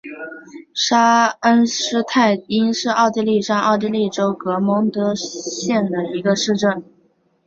沙恩施泰因是奥地利上奥地利州格蒙登县的一个市镇。